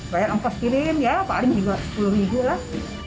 bayar angkas kirim ya paling sepuluh ribu lah